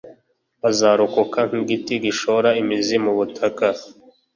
bazarokoka nk’igiti gishora imizi mu butaka,